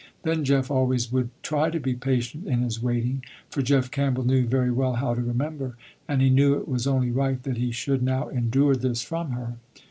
Then Jeff always would try to be patient in his waiting, for Jeff Campbell knew very well how to remember, and he knew it was only right that he should now endure this from her.